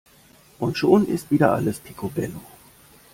Und schon ist wieder alles picobello!